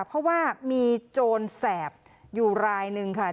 เพราะว่ามีโจรแสบอยู่รายหนึ่งค่ะ